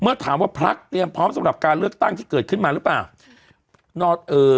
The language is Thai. เมื่อถามว่าพักเตรียมพร้อมสำหรับการเลือกตั้งที่เกิดขึ้นมาหรือเปล่านอนเอ่อ